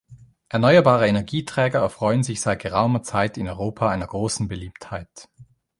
Erneuerbare Energieträger erfreuen sich seit geraumer Zeit in Europa einer großen Beliebtheit.